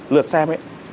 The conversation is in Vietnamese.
lượt xem ấy